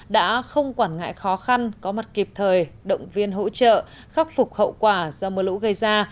đã không quản ngại khó khăn có mặt kịp thời động viên hỗ trợ khắc phục hậu quả do mưa lũ gây ra